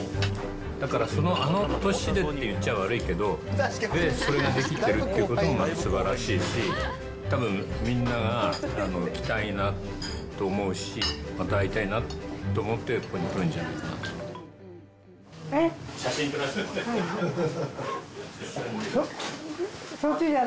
だから、あの年でって言っちゃ悪いけど、それができてるってことがすばらしいし、たぶん、みんなが来たいなと思うし、また会いたいなと思ってここに来るんじゃないかな。